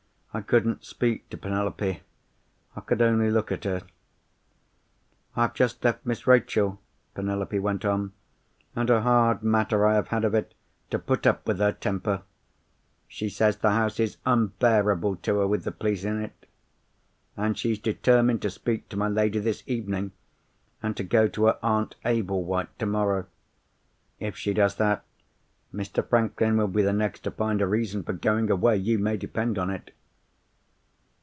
I couldn't speak to Penelope. I could only look at her. "'I've just left Miss Rachel,' Penelope went on. 'And a hard matter I have had of it to put up with her temper. She says the house is unbearable to her with the police in it; and she's determined to speak to my lady this evening, and to go to her Aunt Ablewhite tomorrow. If she does that, Mr. Franklin will be the next to find a reason for going away, you may depend on it!